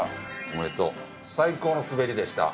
おめでとう最高の滑りでした。